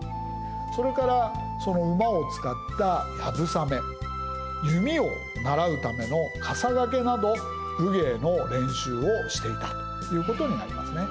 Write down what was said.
それからその馬を使った流鏑馬弓を習うための笠懸など武芸の練習をしていたということになりますね。